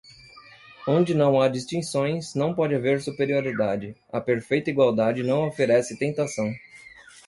Onde não há distinções, não pode haver superioridade, a perfeita igualdade não oferece tentação.